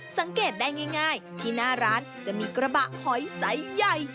สังเกตได้ง่ายที่หน้าร้านจะมีกระบะหอยใสใหญ่